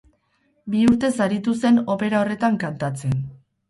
Bi urtez aritu zen opera horretan kantatzen.